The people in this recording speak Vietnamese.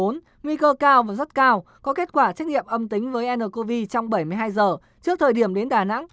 nguy cơ cao và rất cao có kết quả xét nghiệm âm tính với ncov trong bảy mươi hai giờ trước thời điểm đến đà nẵng